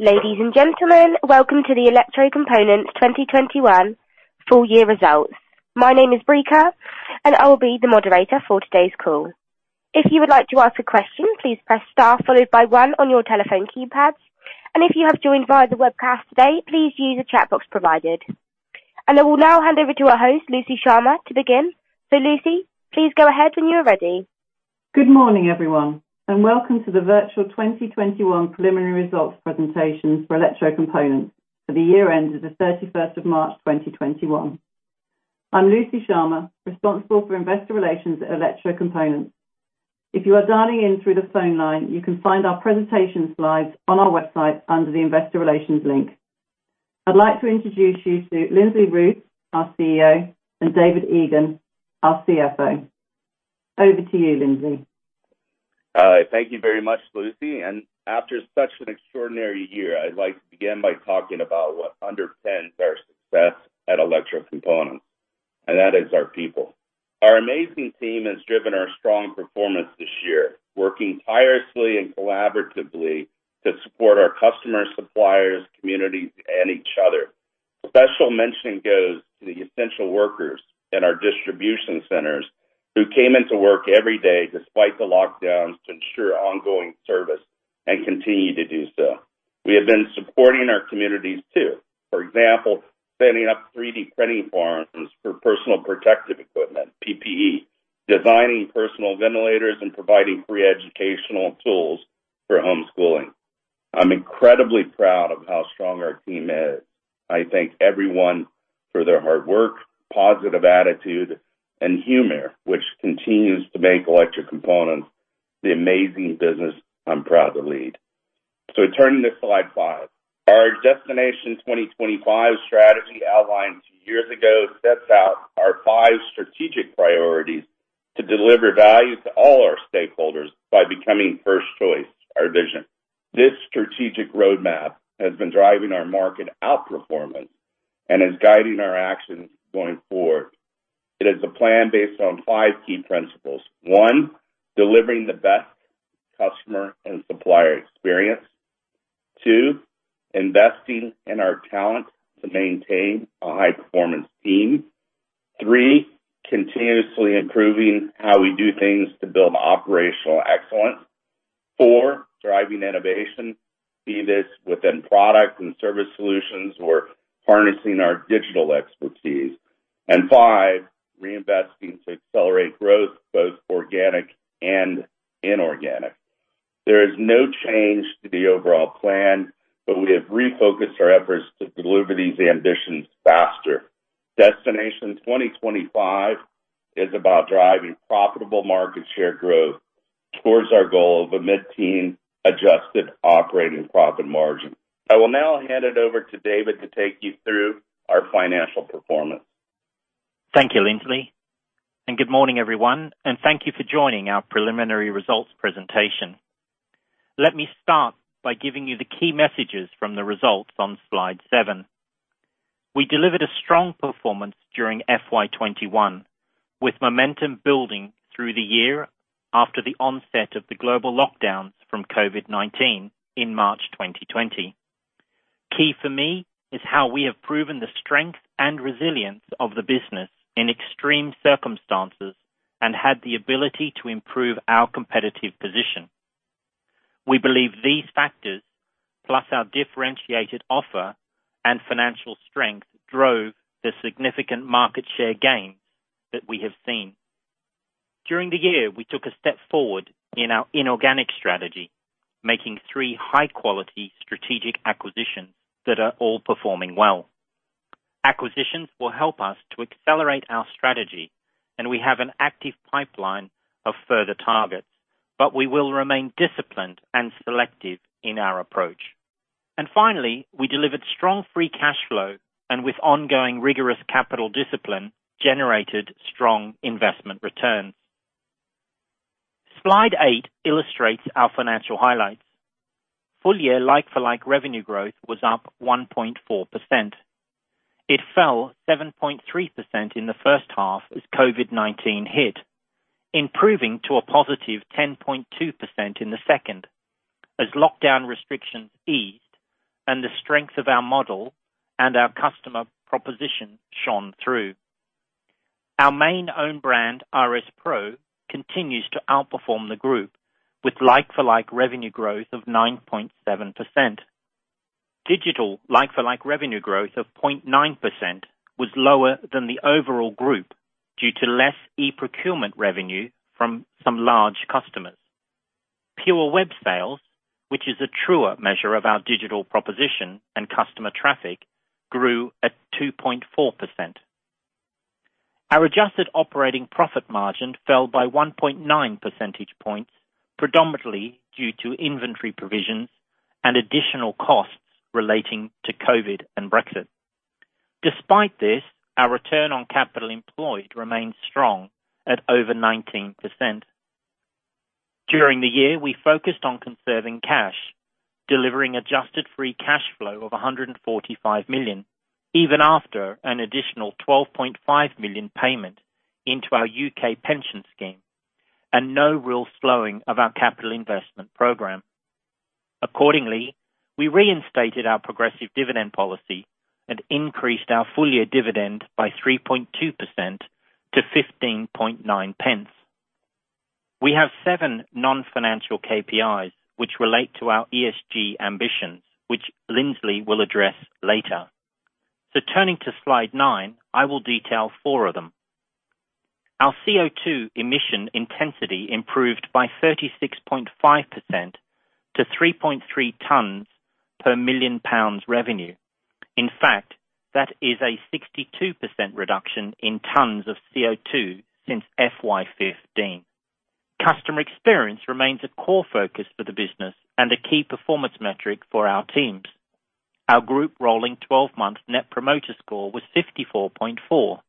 Ladies and gentlemen, welcome to the Electrocomponents 2021 full-year results. My name is Brika, and I will be the Moderator for today's call. If you would like to ask a question, please press star followed by one on your telephone keypad. If you have joined via the webcast today, please use the chat box provided. I will now hand over to our Host, Lucy Sharma, to begin. Lucy, please go ahead when you're ready. Good morning, everyone, and welcome to the virtual 2021 preliminary results presentation for Electrocomponents for the year ended the 31st of March 2021. I'm Lucy Sharma, responsible for investor relations at Electrocomponents. If you are dialing in through the phone line, you can find our presentation slides on our website under the investor relations link. I'd like to introduce you to Lindsley Ruth, our CEO, and David Egan, our CFO. Over to you, Lindsley. Thank you very much, Lucy. After such an extraordinary year, I'd like to begin by talking about what underpins our success at Electrocomponents, and that is our people. Our amazing team has driven our strong performance this year, working tirelessly and collaboratively to support our customers, suppliers, communities, and each other. Special mention goes to the essential workers in our distribution centers who came into work every day despite the lockdowns to ensure ongoing service and continue to do so. We have been supporting our communities, too. For example, setting up 3D printing farms for personal protective equipment, PPE, designing personal ventilators, and providing free educational tools for homeschooling. I'm incredibly proud of how strong our team is. I thank everyone for their hard work, positive attitude, and humor, which continues to make Electrocomponents the amazing business I'm proud to lead. Turning to slide five. Our Destination 2025 strategy outlined two years ago sets out our five strategic priorities to deliver value to all our stakeholders by becoming first choice, our vision. This strategic roadmap has been driving our market outperformance and is guiding our actions going forward. It is a plan based on five key principles. One, delivering the best customer and supplier experience. Two, investing in our talent to maintain a high-performance team. Three, continuously improving how we do things to build operational excellence. Four, driving innovation, be this within product and service solutions or harnessing our digital expertise. Five, reinvesting to accelerate growth, both organic and inorganic. There is no change to the overall plan, but we have refocused our efforts to deliver these ambitions faster. Destination 2025 is about driving profitable market share growth towards our goal of a mid-teen adjusted operating profit margin. I will now hand it over to David to take you through our financial performance. Thank you, Lindsley. Good morning, everyone, and thank you for joining our preliminary results presentation. Let me start by giving you the key messages from the results on slide seven. We delivered a strong performance during FY 2021, with momentum building through the year after the onset of the global lockdowns from COVID-19 in March 2020. Key for me is how we have proven the strength and resilience of the business in extreme circumstances and had the ability to improve our competitive position. We believe these factors, plus our differentiated offer and financial strength, drove the significant market share gains that we have seen. During the year, we took a step forward in our inorganic strategy, making three high-quality strategic acquisitions that are all performing well. Acquisitions will help us to accelerate our strategy, and we have an active pipeline of further targets, but we will remain disciplined and selective in our approach. Finally, we delivered strong free cash flow, and with ongoing rigorous capital discipline, generated strong investment returns. Slide eight illustrates our financial highlights. Full-year like-for-like revenue growth was up 1.4%. It fell 7.3% in the first half as COVID-19 hit, improving to a positive 10.2% in the second as lockdown restrictions eased and the strength of our model and our customer proposition shone through. Our main own brand, RS PRO, continues to outperform the group with like-for-like revenue growth of 9.7%. Digital like-for-like revenue growth of 0.9% was lower than the overall group due to less e-procurement revenue from some large customers. Pure web sales, which is a truer measure of our digital proposition and customer traffic, grew at 2.4%. Our adjusted operating profit margin fell by 1.9 percentage points, predominantly due to inventory provisions and additional costs relating to COVID and Brexit. Despite this, our return on capital employed remains strong at over 19%. During the year, we focused on conserving cash. Delivering adjusted free cash flow of 145 million, even after an additional 12.5 million payment into our U.K. pension scheme and no real slowing of our capital investment program. We reinstated our progressive dividend policy and increased our full year dividend by 3.2% to 0.159. We have seven non-financial KPIs which relate to our ESG ambitions, which Lindsley will address later. Turning to slide nine, I will detail four of them. Our CO2 emission intensity improved by 36.5% to 3.3 tons per million pounds revenue. That is a 62% reduction in tons of CO2 since FY 2015. Customer experience remains a core focus for the business and a key performance metric for our teams. Our group rolling 12-month Net Promoter Score was 54.4.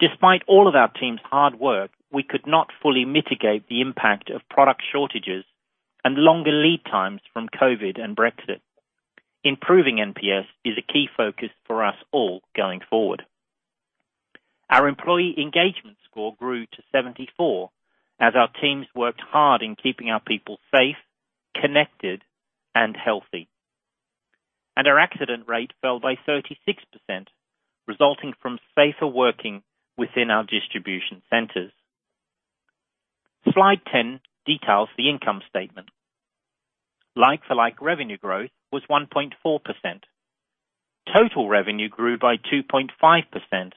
Despite all of our team's hard work, we could not fully mitigate the impact of product shortages and longer lead times from COVID and Brexit. Improving NPS is a key focus for us all going forward. Our employee engagement score grew to 74, as our teams worked hard in keeping our people safe, connected, and healthy. Our accident rate fell by 36%, resulting from safer working within our distribution centers. Slide 10 details the income statement. Like for like revenue growth was 1.4%. Total revenue grew by 2.5%,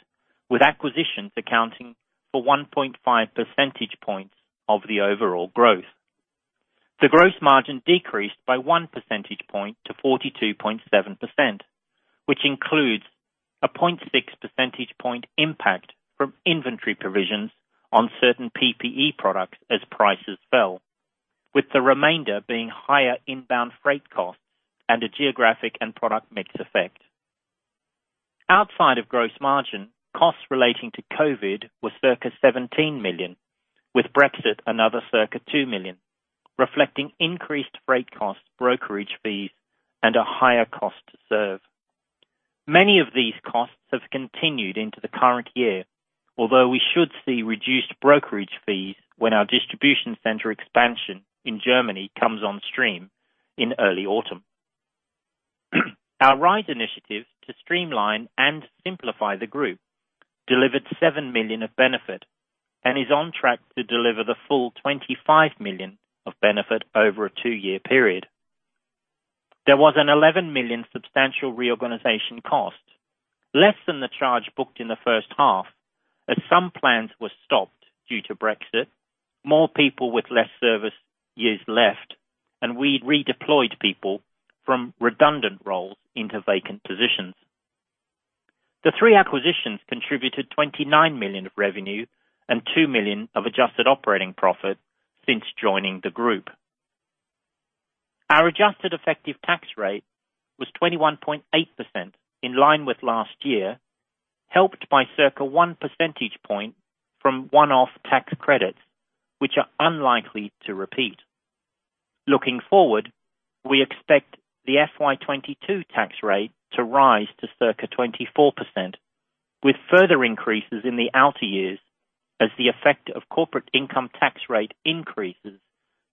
with acquisitions accounting for 1.5 percentage points of the overall growth. The gross margin decreased by one percentage point to 42.7%, which includes a 0.6 percentage point impact from inventory provisions on certain PPE products as prices fell, with the remainder being higher inbound freight costs and a geographic and product mix effect. Outside of gross margin, costs relating to COVID were circa 17 million, with Brexit another circa 2 million, reflecting increased freight costs, brokerage fees, and a higher cost to serve. Many of these costs have continued into the current year, although we should see reduced brokerage fees when our distribution center expansion in Germany comes on stream in early autumn. Our RISE initiative to streamline and simplify the group delivered 7 million of benefit and is on track to deliver the full 25 million of benefit over a two-year period. There was a 11 million substantial reorganization cost, less than the charge booked in the first half, as some plans were stopped due to Brexit. More people with less service years left, we'd redeployed people from redundant roles into vacant positions. The three acquisitions contributed GBP 29 million of revenue and GBP 2 million of adjusted operating profit since joining the group. Our adjusted effective tax rate was 21.8%, in line with last year, helped by circa one percentage point from one-off tax credits, which are unlikely to repeat. Looking forward, we expect the FY 2022 tax rate to rise to circa 24%, with further increases in the outer years as the effect of corporate income tax rate increases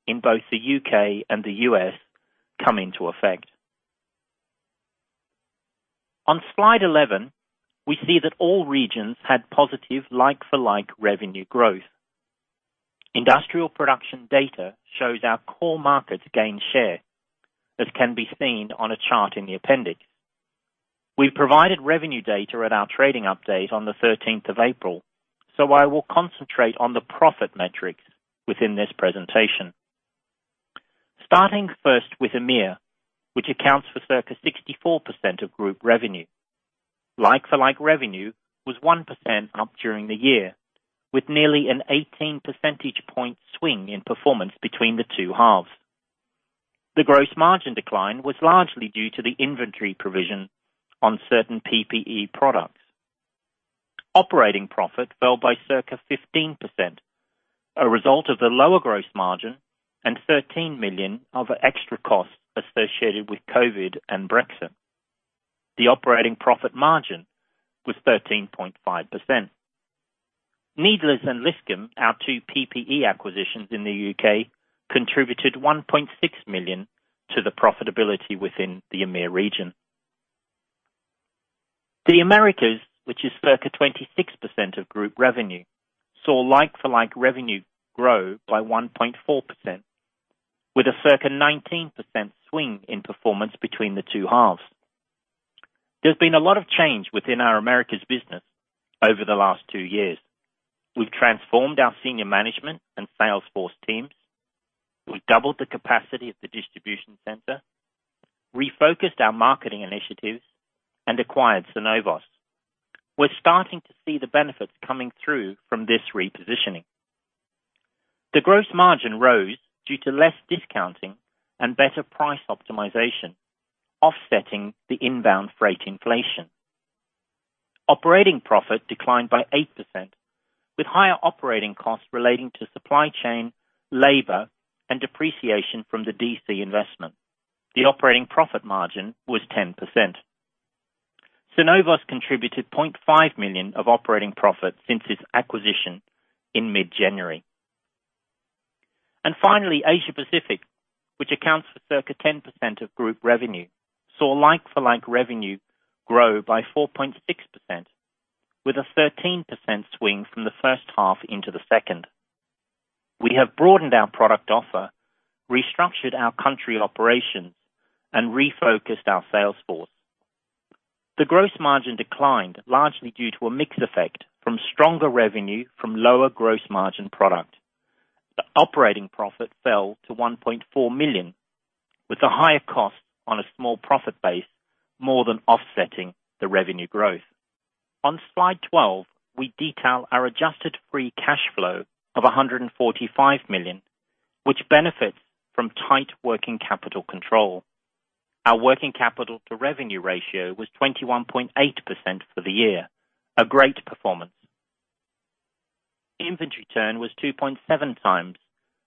in both the U.K. and the U.S. come into effect. On slide 11, we see that all regions had positive like for like revenue growth. Industrial production data shows our core markets gain share, as can be seen on a chart in the appendix. We've provided revenue data at our trading update on the 13th of April, so I will concentrate on the profit metrics within this presentation. Starting first with EMEA, which accounts for circa 64% of group revenue. Like-for-like revenue was 1% up during the year, with nearly an 18 percentage point swing in performance between the two halves. The gross margin decline was largely due to the inventory provision on certain PPE products. Operating profit fell by circa 15%, a result of the lower gross margin and 13 million of extra costs associated with COVID and Brexit. The operating profit margin was 13.5%. Needlers and Liscombe, our two PPE acquisitions in the U.K., contributed 1.6 million to the profitability within the EMEA region. The Americas, which is circa 26% of group revenue, saw like for like revenue grow by 1.4%, with a circa 19% swing in performance between the two halves. There's been a lot of change within our Americas business over the last two years. We've transformed our senior management and salesforce teams. We doubled the capacity of the distribution center, refocused our marketing initiatives, and acquired Synovos. We're starting to see the benefits coming through from this repositioning. The gross margin rose due to less discounting and better price optimization, offsetting the inbound freight inflation. Operating profit declined by 8%, with higher operating costs relating to supply chain, labor, and depreciation from the DC investment. The operating profit margin was 10%. Synovos contributed 0.5 million of operating profit since its acquisition in mid-January. Finally, Asia Pacific, which accounts for circa 10% of group revenue, saw like-for-like revenue grow by 4.6%, with a 13% swing from the first half into the second. We have broadened our product offer, restructured our country operations, and refocused our sales force. The gross margin declined largely due to a mix effect from stronger revenue from lower gross margin product. The operating profit fell to 1.4 million, with a higher cost on a small profit base, more than offsetting the revenue growth. On slide 12, we detail our adjusted free cash flow of 145 million, which benefits from tight working capital control. Our working capital to revenue ratio was 21.8% for the year, a great performance. Inventory turn was 2.7 times,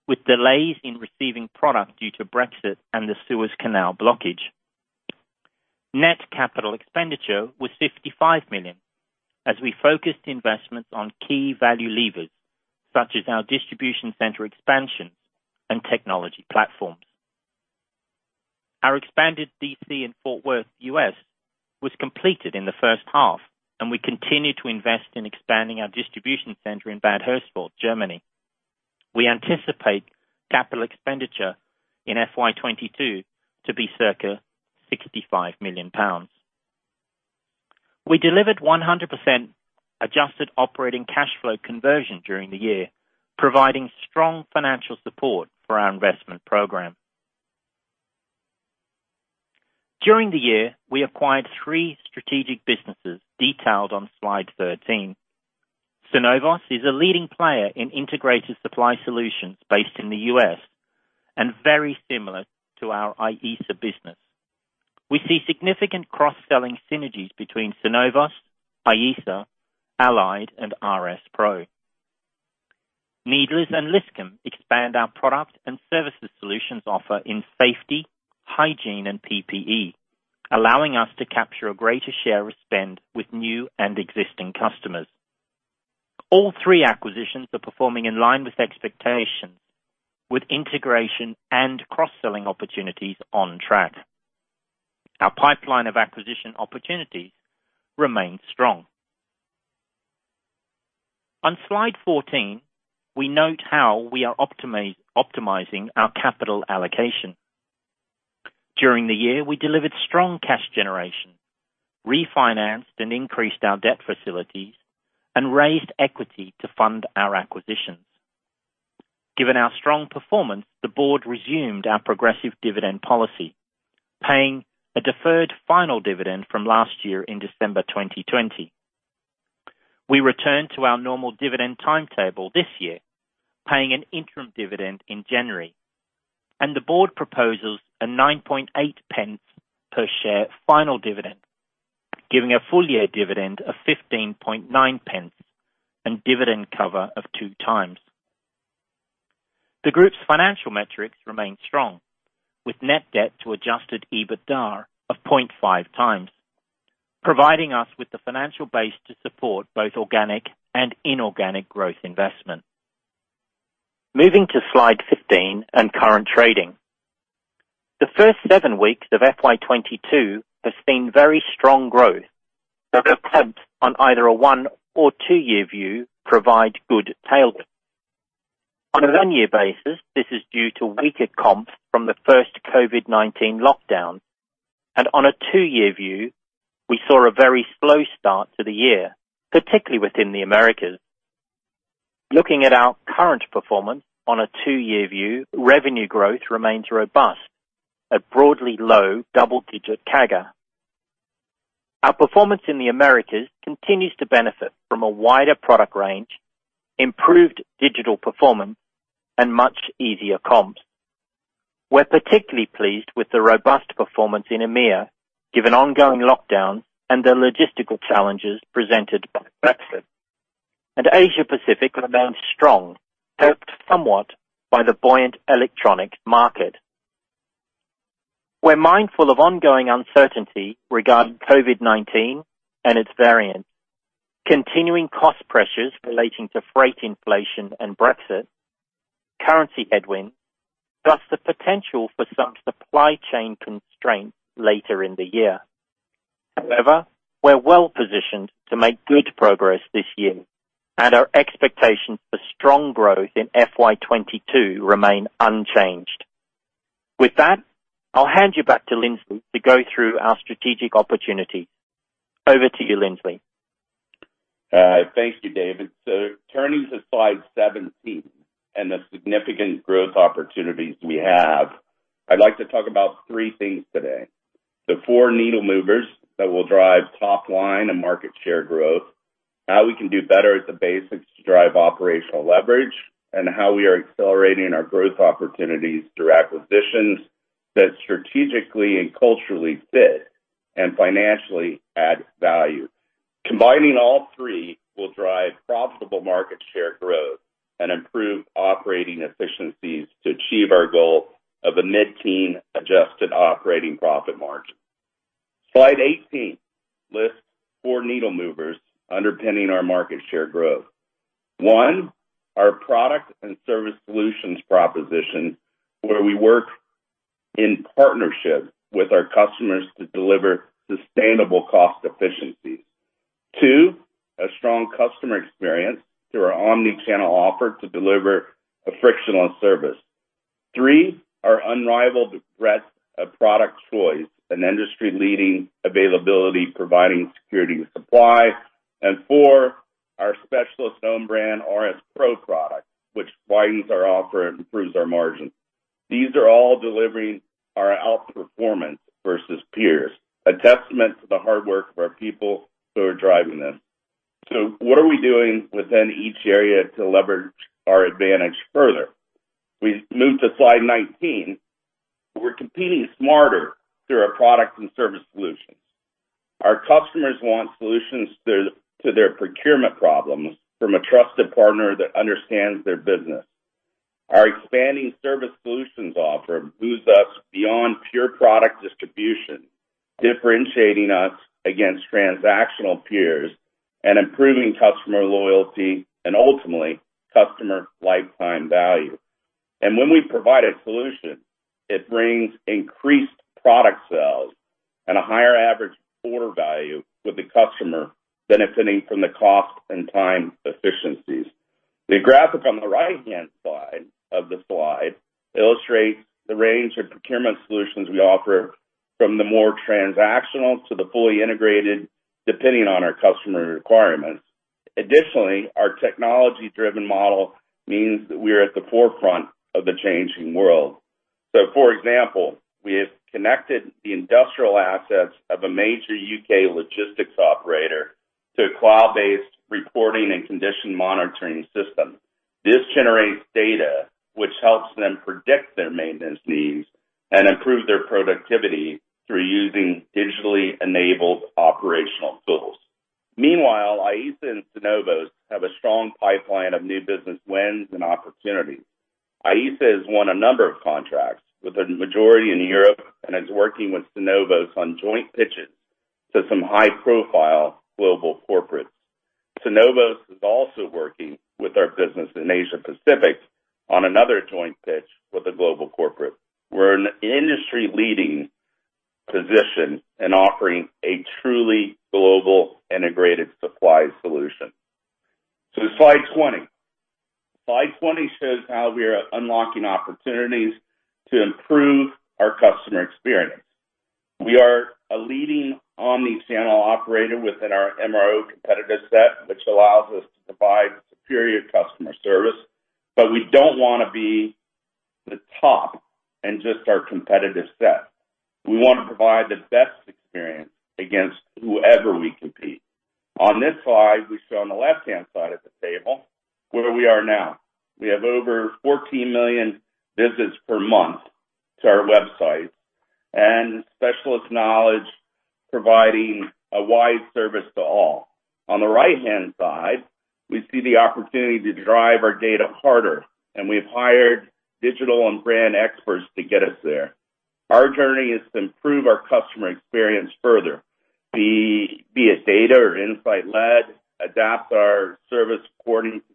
with delays in receiving product due to Brexit and the Suez Canal blockage. Net capital expenditure was 55 million, as we focused investments on key value levers, such as our distribution center expansions and technology platforms. Our expanded DC in Fort Worth, U.S., was completed in the first half, and we continue to invest in expanding our distribution center in Bad Hersfeld, Germany. We anticipate capital expenditure in FY 2022 to be circa 65 million pounds. We delivered 100% adjusted operating cash flow conversion during the year, providing strong financial support for our investment program. During the year, we acquired three strategic businesses detailed on slide 13. Synovos is a leading player in integrated supply solutions based in the U.S. and very similar to our IESA business. We see significant cross-selling synergies between Synovos, IESA, Allied, and RS PRO. Needlers and Liscombe expand our product and services solutions offer in safety, hygiene, and PPE, allowing us to capture a greater share of spend with new and existing customers. All three acquisitions are performing in line with expectations, with integration and cross-selling opportunities on track. Our pipeline of acquisition opportunities remains strong. On slide 14, we note how we are optimizing our capital allocation. During the year, we delivered strong cash generation, refinanced and increased our debt facilities, and raised equity to fund our acquisitions. Given our strong performance, the board resumed our progressive dividend policy, paying a deferred final dividend from last year in December 2020. We returned to our normal dividend timetable this year, paying an interim dividend in January, and the board proposes a 0.098 per share final dividend, giving a full-year dividend of 0.159 and dividend cover of two times. The Group's financial metrics remain strong, with net debt to Adjusted EBITDA of 0.5 times, providing us with the financial base to support both organic and inorganic growth investment. Moving to slide 15 and current trading. The first seven weeks of FY 2022 has seen very strong growth that attempts on either a one or two-year view provide good tailwind. On a one-year basis, this is due to weaker comps from the first COVID-19 lockdown. On a two-year view, we saw a very slow start to the year, particularly within the Americas. Looking at our current performance on a two-year view, revenue growth remains robust at broadly low double-digit CAGR. Our performance in the Americas continues to benefit from a wider product range, improved digital performance, and much easier comps. We're particularly pleased with the robust performance in EMEA, given ongoing lockdowns and the logistical challenges presented by Brexit, and Asia Pacific remains strong, helped somewhat by the buoyant electronic market. We're mindful of ongoing uncertainty regarding COVID-19 and its variants, continuing cost pressures relating to freight inflation and Brexit, currency headwind, plus the potential for some supply chain constraints later in the year. We're well-positioned to make good progress this year, and our expectations for strong growth in FY 2022 remain unchanged. With that, I'll hand you back to Lindsley to go through our strategic opportunities. Over to you, Lindsley. Thank you, David. Turning to slide 17 and the significant growth opportunities we have, I'd like to talk about three things today. The four needle movers that will drive top line and market share growth. How we can do better at the basics to drive operational leverage, and how we are accelerating our growth opportunities through acquisitions that strategically and culturally fit and financially add value. Combining all three will drive profitable market share growth and improve operating efficiencies to achieve our goal of a mid-teen adjusted operating profit margin. Slide 18 lists four needle movers underpinning our market share growth. One, our product and service solutions proposition, where we work in partnership with our customers to deliver sustainable cost efficiencies. Two, a strong customer experience through our omni-channel offer to deliver a frictionless service. Three, our unrivaled breadth of product choice and industry-leading availability providing security of supply. Four, our specialist own brand RS PRO product, which widens our offer and improves our margin. These are all delivering our outperformance versus peers, a testament to the hard work of our people who are driving them. What are we doing within each area to leverage our advantage further? We move to slide 19. We're competing smarter through our product and service solutions. Our customers want solutions to their procurement problems from a trusted partner that understands their business. Our expanding service solutions offering moves us beyond pure product distribution, differentiating us against transactional peers and improving customer loyalty and ultimately customer lifetime value. When we provide a solution, it brings increased product sales and a higher average order value, with the customer benefiting from the cost and time efficiencies. The graphic on the right-hand side of the slide illustrates the range of procurement solutions we offer from the more transactional to the fully integrated, depending on our customer requirements. Additionally, our technology-driven model means that we are at the forefront of the changing world. For example, we have connected the industrial assets of a major U.K. logistics operator to a cloud-based reporting and condition monitoring system. This generates data which helps them predict their maintenance needs and improve their productivity through using digitally enabled operational tools. Meanwhile, IESA and Synovos have a strong pipeline of new business wins and opportunities. IESA has won a number of contracts with a majority in Europe and is working with Synovos on joint pitches to some high-profile global corporates. Synovos is also working with our business in Asia Pacific on another joint pitch with a global corporate. We're in an industry-leading position in offering a truly global integrated supply solution. Slide 20. Slide 20 shows how we are unlocking opportunities to improve our customer experience. We are a leading omni-channel operator within our MRO competitive set, which allows us to provide superior customer service, but we don't want to be the top in just our competitive set. We want to provide the best experience against whoever we compete. On this slide, we show on the left-hand side of the table where we are now. We have over 14 million visits per month to our websites and specialist knowledge providing a wide service to all. On the right-hand side, we see the opportunity to drive our data harder, and we've hired digital and brand experts to get us there. Our journey is to improve our customer experience further, be it data or insight led, adapt our service according to the customer, and focus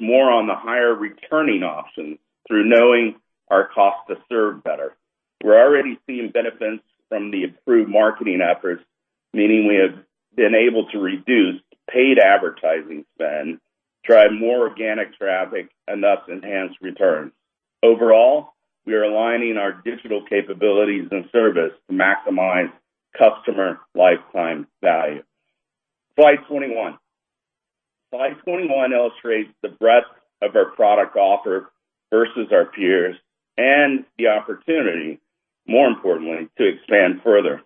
more on the higher returning options through knowing our cost to serve better. We're already seeing benefits from the improved marketing efforts, meaning we have been able to reduce paid advertising spend, drive more organic traffic, and thus enhance returns. Overall, we are aligning our digital capabilities and service to maximize customer lifetime value. Slide 21. Slide 21 illustrates the breadth of our product offer versus our peers and the opportunity, more importantly, to expand further.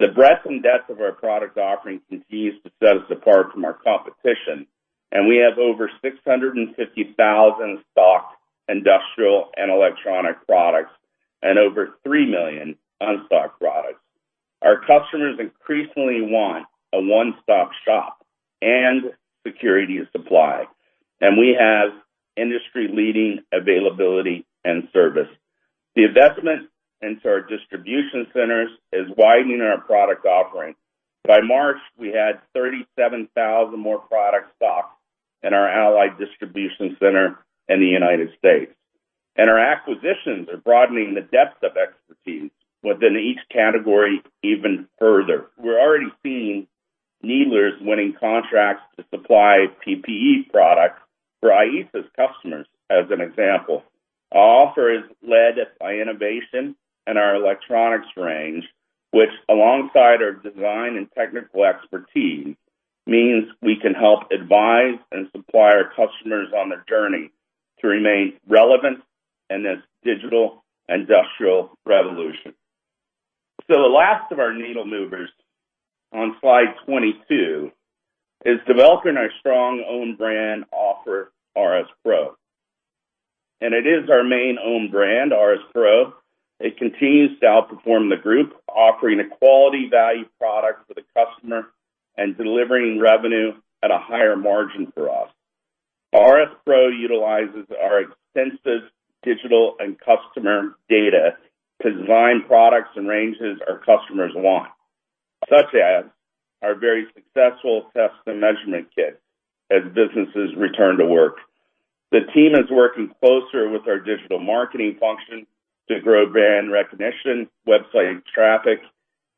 The breadth and depth of our product offering continues to set us apart from our competition, and we have over 650,000 stock industrial and electronic products and over 3 million unstocked products. Our customers increasingly want a one-stop shop and security of supply, and we have industry-leading availability and service. The investment into our distribution centers is widening our product offering. By March, we had 37,000 more products stocked in our Allied distribution center in the U.S. Our acquisitions are broadening the depth of expertise within each category even further. We're already seeing Needlers winning contracts to supply PPE products for IESA's customers as an example. Our offer is led by innovation and our electronics range, which alongside our design and technical expertise, means we can help advise and supply our customers on a journey to remain relevant in this digital industrial revolution. The last of our needle movers on slide 22 is developing our strong own brand offer, RS PRO. It is our main own brand, RS PRO. It continues to outperform the group, offering a quality value product for the customer and delivering revenue at a higher margin for us. RS PRO utilizes our extensive digital and customer data to design products and ranges our customers want, such as our very successful test and measurement kit as businesses return to work. The team is working closely with our digital marketing function to grow brand recognition, website traffic,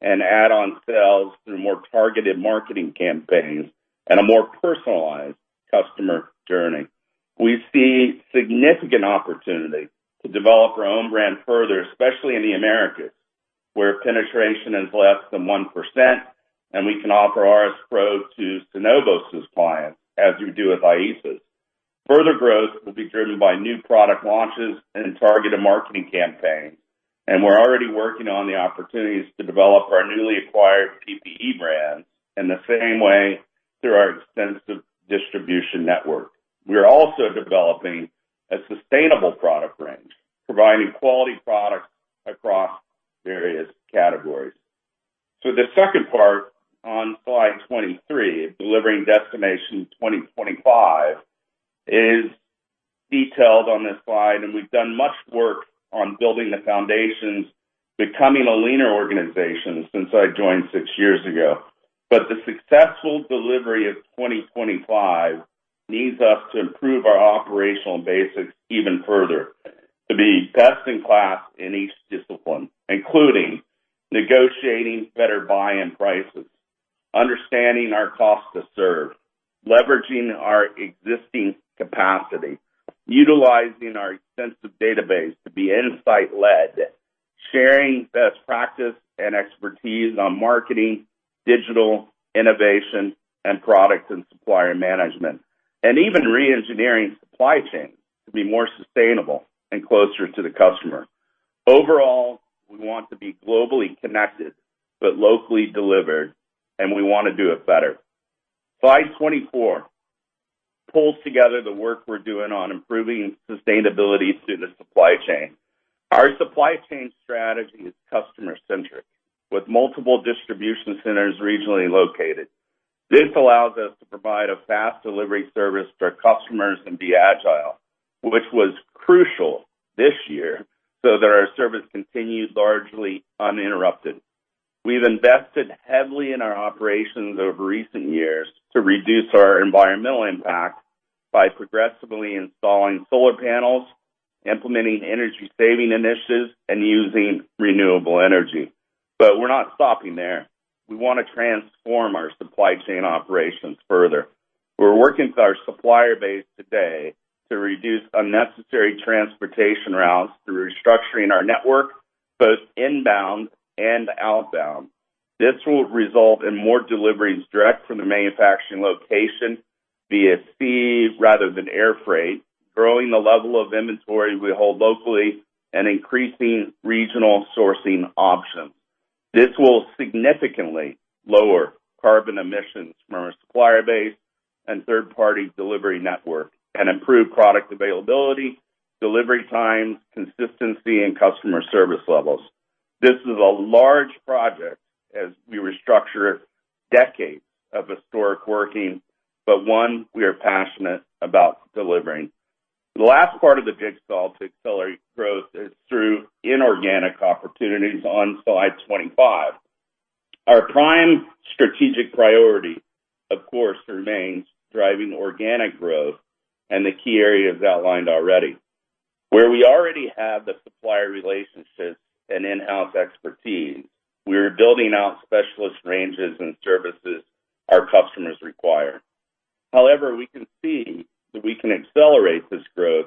and add-on sales through more targeted marketing campaigns and a more personalized customer journey. We see significant opportunity to develop our own brand further, especially in the Americas, where penetration is less than 1%, and we can offer RS PRO to Synovos' clients as we do with IESA. Further growth will be driven by new product launches and targeted marketing campaigns, and we're already working on the opportunities to develop our newly acquired PPE brands in the same way through our extensive distribution network. We are also developing a sustainable product range, providing quality products across various categories. The second part on slide 23, delivering Destination 2025, is detailed on this slide, and we've done much work on building the foundations, becoming a leaner organization since I joined six years ago. The successful delivery of 2025 needs us to improve our operational basics even further to be best in class in each discipline, including negotiating better buy-in prices, understanding our cost to serve, leveraging our existing capacity, utilizing our extensive database to be insight led, sharing best practice and expertise on marketing, digital innovation, and product and supplier management, and even re-engineering supply chains to be more sustainable and closer to the customer. Overall, we want to be globally connected but locally delivered, and we want to do it better. Slide 24 pulls together the work we're doing on improving sustainability through the supply chain. Our supply chain strategy is customer centric with multiple distribution centers regionally located. This allows us to provide a fast delivery service for customers and be agile, which was crucial this year, so that our service continued largely uninterrupted. We've invested heavily in our operations over recent years to reduce our environmental impact by progressively installing solar panels, implementing energy saving initiatives, and using renewable energy. We're not stopping there. We want to transform our supply chain operations further. We're working with our supplier base today to reduce unnecessary transportation routes through restructuring our network, both inbound and outbound. This will result in more deliveries direct from the manufacturing location via sea rather than air freight, growing the level of inventory we hold locally and increasing regional sourcing options. This will significantly lower carbon emissions from our supplier base and third-party delivery network and improve product availability, delivery times, consistency, and customer service levels. This is a large project as we restructure decades of historic working, but one we are passionate about delivering. The last part of the jigsaw to accelerate growth is through inorganic opportunities on slide 25. Our prime strategic priority, of course, remains driving organic growth and the key areas outlined already. Where we already have the supplier relationships and in-house expertise, we are building out specialist ranges and services our customers require. However, we can see that we can accelerate this growth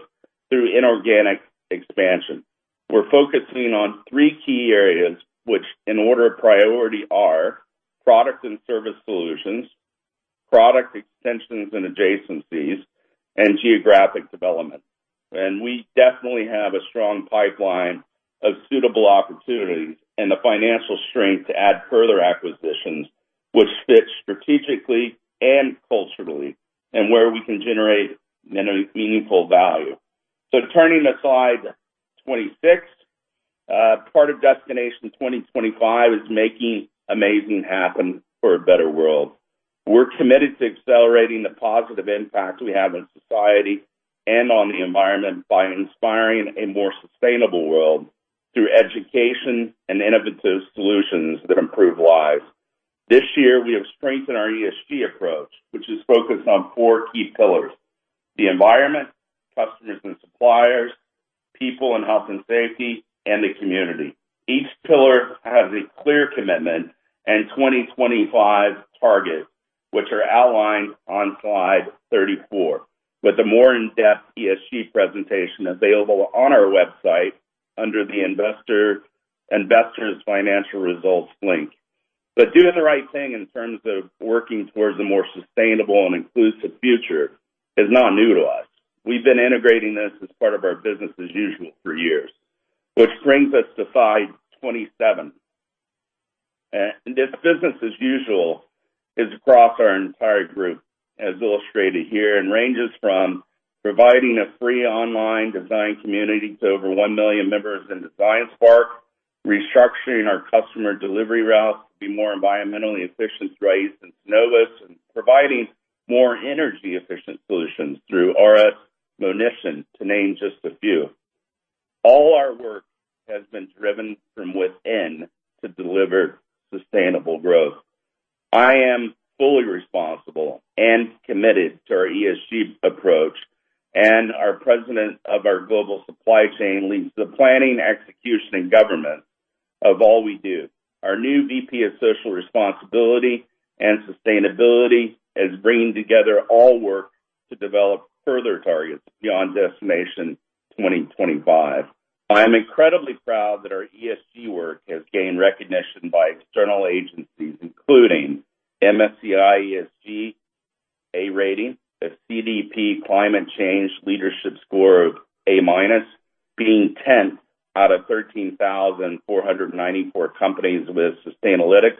through inorganic expansion. We are focusing on three key areas, which in order of priority are product and service solutions, product extensions and adjacencies, and geographic development. We definitely have a strong pipeline of suitable opportunities and the financial strength to add further acquisitions which fit strategically and culturally and where we can generate meaningful value. Turning to slide 26. Part of Destination 2025 is making amazing happen for a better world. We're committed to accelerating the positive impact we have on society and on the environment by inspiring a more sustainable world through education and innovative solutions that improve lives. This year, we have strengthened our ESG approach, which is focused on four key pillars: the environment, customers and suppliers, people and health and safety, and the community. Each pillar has a clear commitment and 2025 targets, which are outlined on slide 34 with a more in-depth ESG presentation available on our website under the Investors Financial Results link. Doing the right thing in terms of working towards a more sustainable and inclusive future is not new to us. We've been integrating this as part of our business as usual for years, which brings us to slide 27. This business as usual is across our entire group, as illustrated here, and ranges from providing a free online design community to over 1 million members in DesignSpark, restructuring our customer delivery routes to be more environmentally efficient through ACE and Tenevis, and providing more energy-efficient solutions through RS Monition, to name just a few. All our work has been driven from within to deliver sustainable growth. I am fully responsible and committed to our ESG approach. Our President of our global supply chain leads the planning, execution, and governance of all we do. Our new Vice President of Social Responsibility and Sustainability is bringing together all work to develop further targets beyond Destination 2025. I am incredibly proud that our ESG work has gained recognition by external agencies, including MSCI ESG A rating, a CDP Climate Change Leadership score of A-minus, being 10th out of 13,494 companies with Sustainalytics,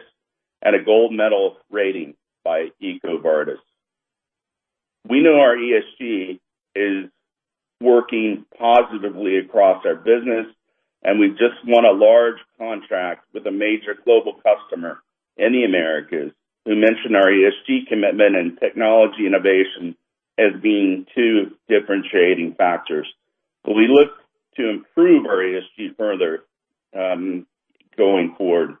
and a gold medal rating by EcoVadis. We know our ESG is working positively across our business. We just won a large contract with a major global customer in the Americas, who mentioned our ESG commitment and technology innovation as being two differentiating factors. We look to improve our ESG further going forward.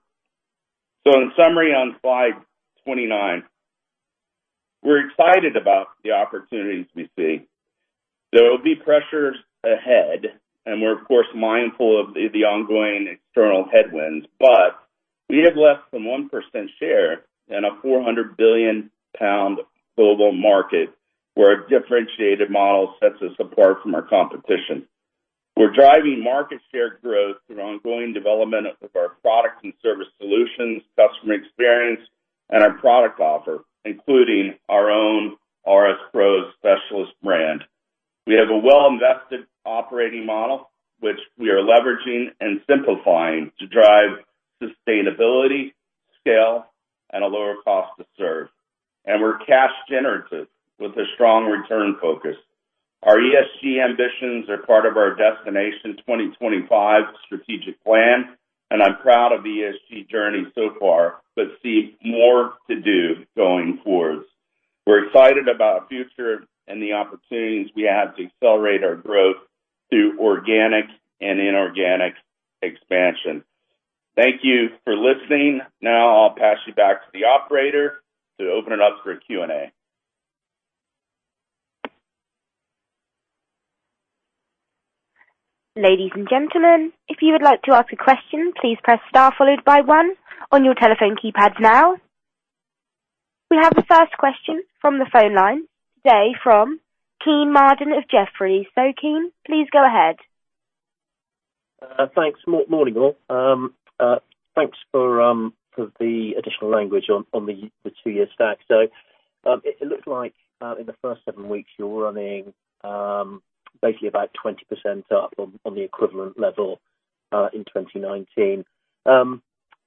In summary, on slide 29, we're excited about the opportunities we see. There will be pressures ahead, and we're of course mindful of the ongoing external headwinds, but we have less than 1% share in a 400 billion pound global market where a differentiated model sets us apart from our competition. We're driving market share growth through ongoing development of our product and service solutions, customer experience, and our product offer, including our own RS PRO specialist brand. We have a well-invested operating model, which we are leveraging and simplifying to drive sustainability, scale, and a lower cost to serve. We're cash generative with a strong return focus. Our ESG ambitions are part of our Destination 2025 strategic plan, and I'm proud of the ESG journey so far but see more to do going forward. We're excited about the future and the opportunities we have to accelerate our growth through organic and inorganic expansion. Thank you for listening. Now I'll pass you back to the operator to open it up for Q&A. Ladies and gentlemen, if you would like to ask a question, please press star followed by 1 on your telephone keypad now. We have the first question from the phone line today from Kean Marden of Jefferies. Kean, please go ahead. Thanks. Morning all. Thanks for the additional language on the two-year stack. It looks like in the first seven weeks you're running basically about 20% up on the equivalent level in 2019.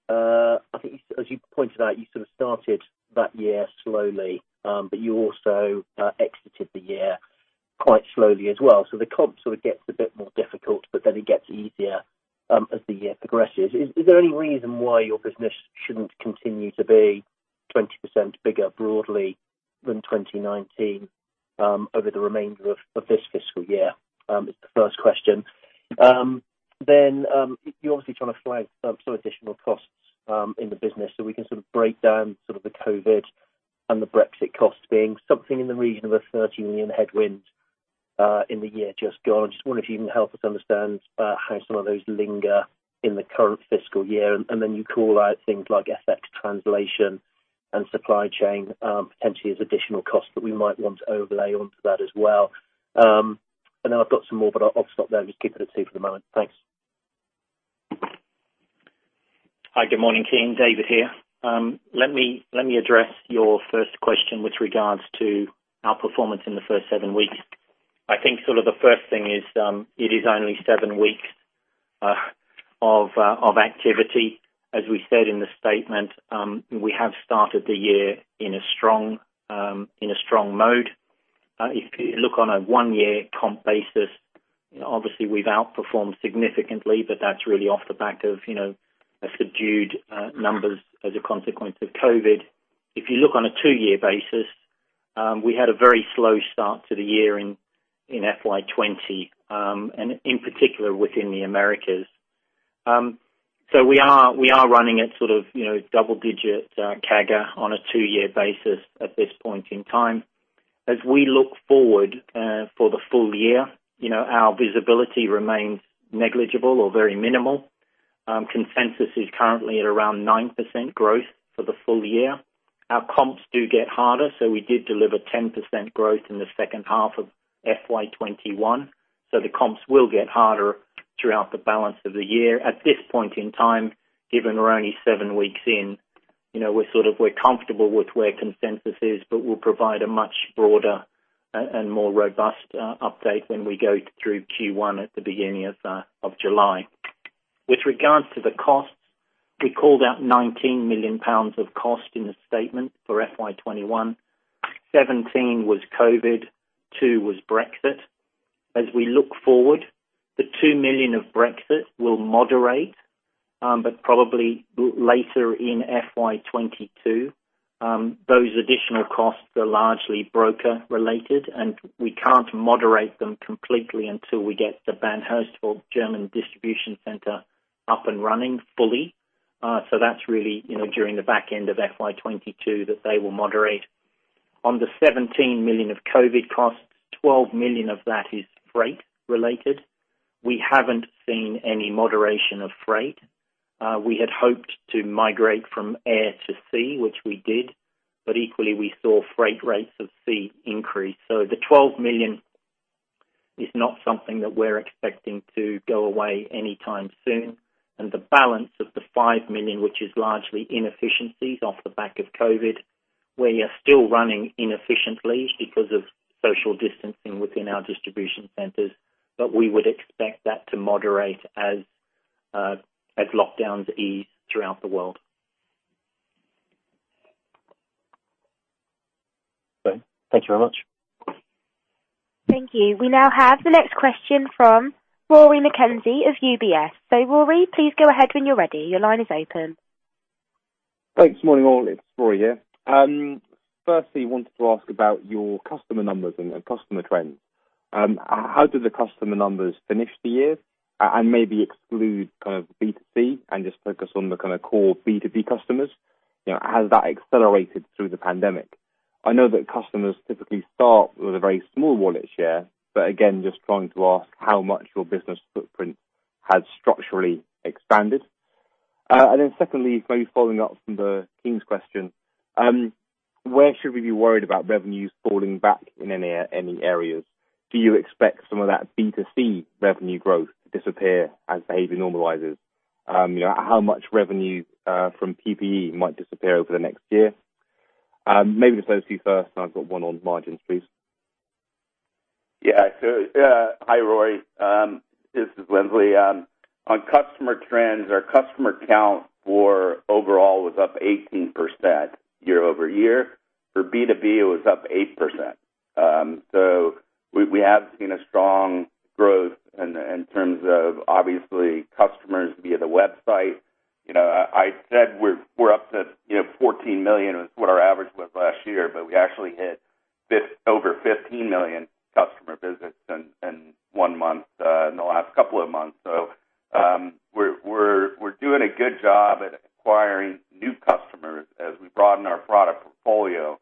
I think as you pointed out, you sort of started that year slowly, but you also exited the year quite slowly as well. The comp story gets a bit more difficult, but then it gets easier as the year progresses. Is there any reason why your business shouldn't continue to be 20% bigger broadly than 2019 over the remainder of this fiscal year? It's the first question. You're obviously trying to flag some additional costs in the business so we can sort of break down sort of the COVID and the Brexit cost being something in the region of a 30 million headwind in the year just gone. Just wonder if you can help us understand how some of those linger in the current fiscal year, and then you call out things like FX translation and supply chain potentially as additional costs that we might want to overlay onto that as well. I know I've got some more, but I'll stop there and just keep it at two for the moment. Thanks. Hi, good morning team. David here. Let me address your first question with regards to our performance in the first seven weeks. I think sort of the first thing is it is only seven weeks of activity. As we said in the statement, we have started the year in a strong mode. If you look on a one-year comp basis, obviously we've outperformed significantly, but that's really off the back of subdued numbers as a consequence of COVID. If you look on a two-year basis, we had a very slow start to the year in FY 2020, and in particular within the Americas. We are running at sort of double-digit CAGR on a two-year basis at this point in time. As we look forward for the full year, our visibility remains negligible or very minimal. Consensus is currently at around 9% growth for the full year. Our comps do get harder. We did deliver 10% growth in the second half of FY 2021. The comps will get harder throughout the balance of the year. At this point in time, given we're only seven weeks in, we're comfortable with where consensus is, but we'll provide a much broader and more robust update when we go through Q1 at the beginning of July. With regards to the costs, we called out 19 million pounds of cost in the statement for FY 2021, 17 million was COVID, 2 million was Brexit. As we look forward, the 2 million of Brexit will moderate, but probably later in FY 2022. Those additional costs are largely broker-related, and we can't moderate them completely until we get the Bad Hersfeld German distribution center up and running fully. That's really during the back end of FY 2022 that they will moderate. On the 17 million of COVID costs, 12 million of that is freight-related. We haven't seen any moderation of freight. We had hoped to migrate from air to sea, which we did, but equally, we saw freight rates of sea increase. The 12 million is not something that we're expecting to go away anytime soon. The balance of the 5 million, which is largely inefficiencies off the back of COVID. We are still running inefficiently because of social distancing within our distribution centers, but we would expect that to moderate as lockdowns ease throughout the world. Thanks very much. Thank you. We now have the next question from Rory McKenzie of UBS. Rory, please go ahead when you're ready. Your line is open. Thanks. Morning all. It's Rory here. Firstly, wanted to ask about your customer numbers and customer trends. How did the customer numbers finish the year? Maybe exclude B2C and just focus on the core B2B customers, how that accelerated through the pandemic. I know that customers typically start with a very small wallet share, but again, just trying to ask how much your business footprint has structurally expanded. Then secondly, maybe following up from the team's question, where should we be worried about revenues falling back in any areas? Do you expect some of that B2C revenue growth to disappear as behavior normalizes? How much revenue from PPE might disappear over the next year? Maybe those two first, and I've got one on margins, please. Yeah. Hi, Rory. This is Lindsley. On customer trends, our customer count for overall was up 18% year-over-year. For B2B, it was up 8%. We have seen a strong growth in terms of obviously customers via the website. I said we're up to 14 million is what our average was last year, we actually hit over 15 million customer visits in one month in the last couple of months. We're doing a good job at acquiring new customers as we broaden our product portfolio.